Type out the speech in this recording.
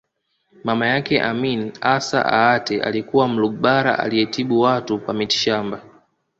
Mama yake Amin Assa Aatte alikuwa Mlugbara aliyetibu watu kwa mitishamba